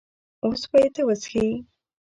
اوس به یې ته وڅښې.